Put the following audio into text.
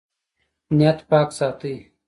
نیت پاک ساتئ